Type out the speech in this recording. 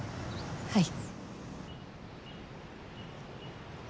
はい。